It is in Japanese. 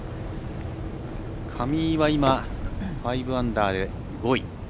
上井は今、５アンダー、５位。